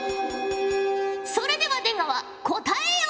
それでは出川答えよ！